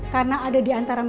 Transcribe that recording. karena ada diantara kita